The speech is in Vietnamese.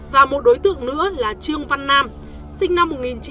và một đối tượng nữa là trương văn nam sinh năm một nghìn chín trăm tám mươi